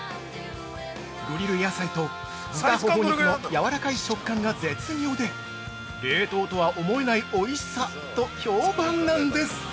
グリル野菜と豚ホホ肉のやわらかい食感が絶妙で冷凍とは思えないおいしさと評判なんです。